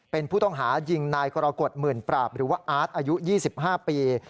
เป็นผู้ต้องหายิงนายกรกฎหมื่นปราบหรือว่าอาร์ตอายุ๒๕ปี